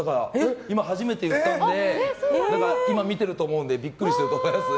今、初めて言ったので今見てると思うのでビックリしてると思います。